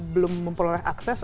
belum memperoleh akses